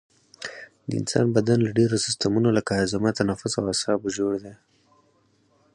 د انسان بدن له ډیرو سیستمونو لکه هاضمه تنفس او اعصابو جوړ دی